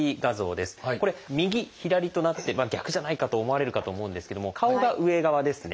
これ「右」「左」となって逆じゃないかと思われるかと思うんですけれども顔が上側ですね。